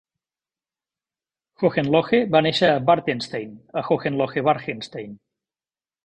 Hohenlohe va néixer a Bartenstein, a Hohenlohe-Bartenstein.